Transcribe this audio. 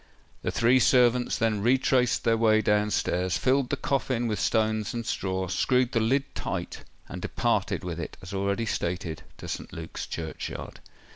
The three servants then retraced their way down stairs, filled the coffin with stones and straw, screwed the lid tight, and departed with it, as already stated, to St. Luke's churchyard.